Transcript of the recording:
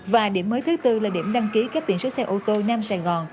và điểm mới thứ bốn là điểm đăng ký cấp điện số xe ô tô nam sài gòn